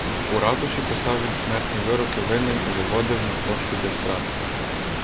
У ратуші писав він смертні вироки винним і виводив на площу для страти.